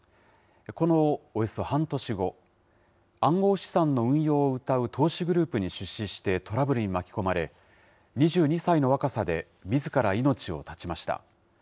このおよそ半年後、暗号資産の運用をうたう投資グループに出資してトラブルに巻き込まれ、２２歳の若さでみずから命を絶ちました。